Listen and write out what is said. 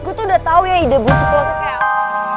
gue tuh udah tau ya ide busuk lo tuh kayak eloh